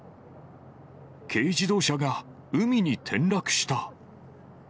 軽自動車が海に転落した。